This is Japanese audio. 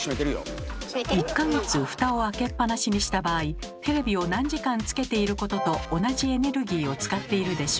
１か月フタを開けっ放しにした場合テレビを何時間つけていることと同じエネルギーを使っているでしょう？